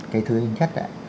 cái thứ nhất ạ